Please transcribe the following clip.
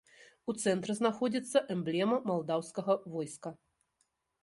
У цэнтры знаходзіцца эмблема малдаўскага войска.